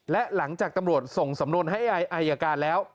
และหลังจากตำรวจส่งสำนวนให้อายการแล้ว